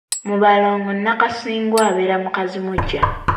Mu balongo Nakisungwa abeera mukazimusajja.